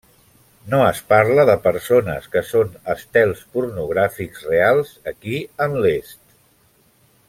No es parla de persones que són estels pornogràfics reals aquí en l'est.